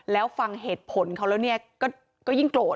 แล้วฟังเหตุผลเขาแล้วเนี่ยก็ยิ่งโกรธ